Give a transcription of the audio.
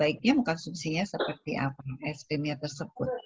dia cenderung ingin makan untuk mengatasi stresnya tersebut